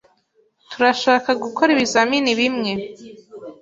Turashaka gukora ibizamini bimwe.